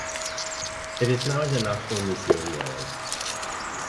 It is now in the National Museum Wales.